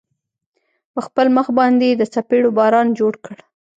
په خپل مخ باندې يې د څپېړو باران جوړ كړ.